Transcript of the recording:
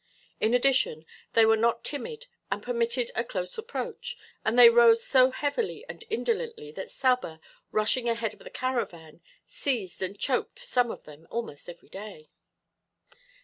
In addition they were not timid and permitted a close approach, and they rose so heavily and indolently that Saba, rushing ahead of the caravan, seized and choked some of them almost every day.